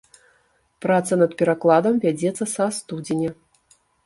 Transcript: Праца над перакладам вядзецца са студзеня.